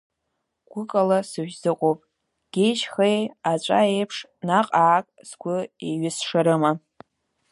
Гәыкала сышәзыҟоуп геи-шьхеи, аҵәа еиԥш наҟ-ааҟ сгәы еиҩысшарыма?!